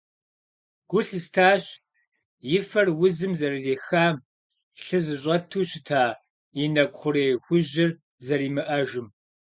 Гу лъыстащ и фэр узым зэрырихам, лъы зыщӀэту щыта и нэкӀу хъурей хужьыр зэримыӀэжым.